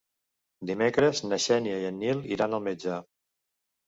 Dimecres na Xènia i en Nil iran al metge.